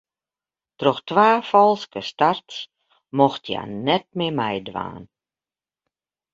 Troch twa falske starts mocht hja net mear meidwaan.